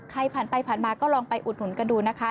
ใครผ่านไปผ่านมาก็ลองไปอุดหนุนกันดูนะคะ